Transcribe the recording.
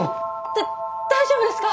だ大丈夫ですか？